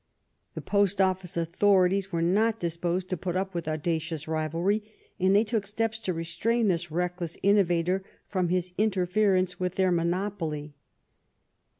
The post office authorities were not disposed to put up with audacious rivalry, and they took steps to restrain this reckless innovator from his interference with their monopoly.